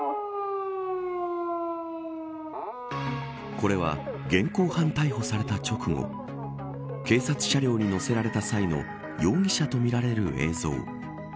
これは、現行犯逮捕された直後警察車両に乗せられた際の容疑者とみられる映像。